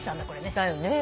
だよね。